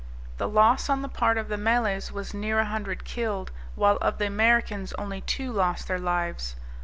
The loss on the part of the Malays was near a hundred killed, while of the Americans only two lost their lives.